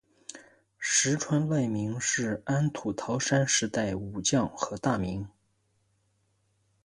石川赖明是安土桃山时代武将和大名。